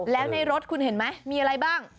แล้วในรถคุณเห็นไหมมีอะไรบ้าง